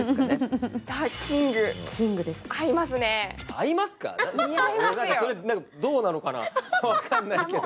分かんない、それ、どうなのかな、分かんないけど。